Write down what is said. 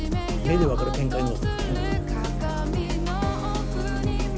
目で分かる展開も！